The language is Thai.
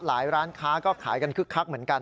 ร้านค้าก็ขายกันคึกคักเหมือนกัน